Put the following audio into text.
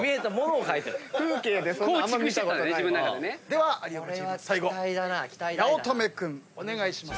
では有岡チーム最後八乙女君お願いします。